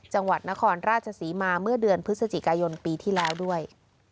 จังหวัดนครราชศรีมาเมื่อเดือนพฤศจิกายนปีที่แล้วด้วย